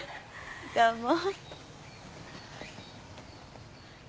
どうも。